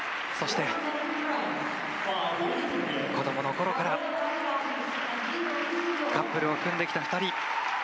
そして、子どものころからカップルを組んできた２人。